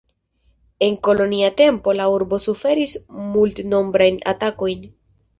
En kolonia tempo la urbo suferis multnombrajn atakojn.